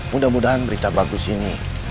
mudah mudahan berita bagus ini